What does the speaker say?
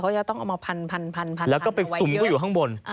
เขาจะต้องเอามาพันเอาไว้เยอะแล้วก็ไปสุ่มก็อยู่ข้างบน